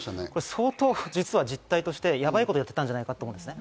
相当実は実態としてやばいことをやってたんじゃないかと思います。